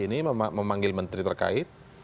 ini memanggil menteri terkait